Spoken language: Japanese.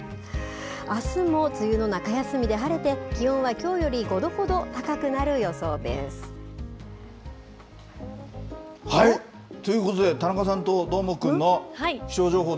あすも梅雨の中休みで晴れて、気温はきょうより５度ほど高くなるということで、田中さんとど鹿？